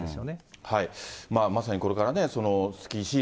まさにこれから、スキーシー